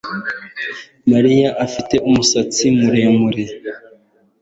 maria afite umusatsi muremure